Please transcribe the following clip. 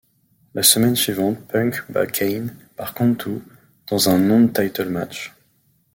La semaine suivante, Punk bat Kane par countout dans un non-title match.